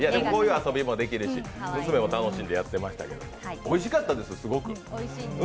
こういう遊びもできるし、娘も楽しんでやっていましたけど、おいしかったです、すごく。